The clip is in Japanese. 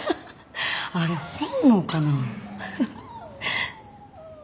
あれ本能かな？